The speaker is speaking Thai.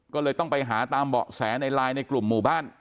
ก็เลยต้องไปหาตามเบาะแสในไลน์ในกลุ่มหมู่บ้าน